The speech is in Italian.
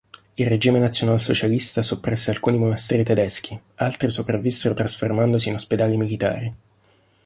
Il regime nazionalsocialista soppresse alcuni monasteri tedeschi, altri sopravvissero trasformandosi in ospedali militari.